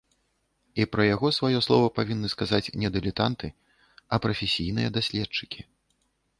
І пра яго сваё слова павінны сказаць не дылетанты, а прафесійныя даследчыкі.